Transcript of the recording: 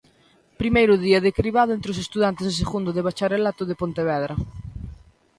Primeiro día de cribado entre os estudantes de segundo de bacharelato de Pontevedra.